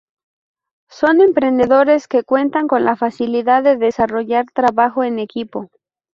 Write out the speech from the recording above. Son emprendedores que cuentan con la facilidad de desarrollar trabajo en equipo.